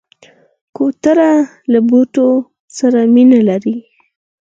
کوتره له بوټو سره مینه لري.